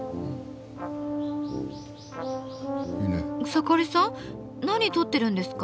草刈さん何撮ってるんですか？